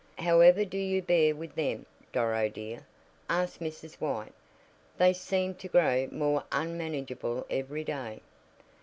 "However do you bear with them, Doro dear?" asked Mrs. White. "They seem to grow more unmanageable every day."